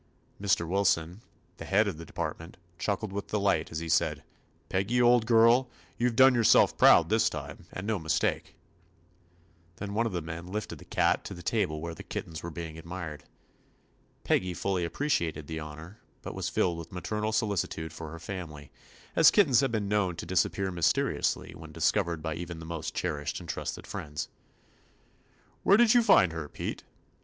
Mr. Wilson, the head of the de partment, chuckled with delight, as he said : "Peggy, old girl, you 've done yourself proud this time, and no mistake." Then one of the men lifted the cat 23 THE ADVENTURES OF to the table where the kittens were being admired. Peggy fully appre ciated the honor, but was filled with maternal solicitude for her family, as kittens have been known to disap pear mysteriously when discovered by even the most cherished and trusted friends. "Where did you find her, Pete?'